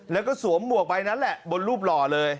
แล้วก็สวมหมวกใบนั้นแหละบนรูปหล่อเลย